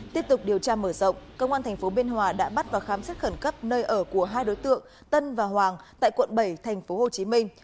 tiếp tục điều tra mở rộng công an tp biên hòa đã bắt và khám xét khẩn cấp nơi ở của hai đối tượng tân và hoàng tại quận bảy thành phố hồ chí minh